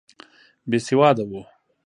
بېسواده وو.